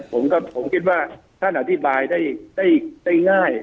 ผมก็ผมคิดว่าท่านอธิบายได้ง่าย